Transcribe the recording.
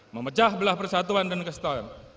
memecah belah persatuan dan kesetoan